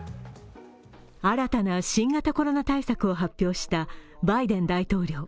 新たな新型コロナ対策を発表したバイデン大統領。